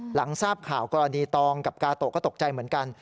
หลังทราบข่าวกรณีตองกับกาโตะก็ตกใจเหมือนกัน